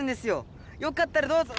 よかったらどうぞ！